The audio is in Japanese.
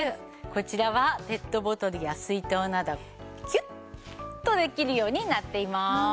こちらはペットボトルや水筒などキュッとできるようになっています。